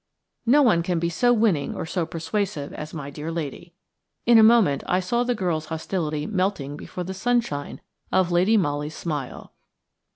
No one can be so winning or so persuasive as my dear lady. In a moment I saw the girls' hostility melting before the sunshine of Lady Molly's smile.